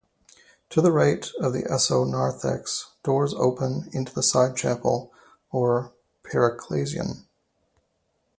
To the right of the esonarthex, doors open into the side chapel, or "parecclesion".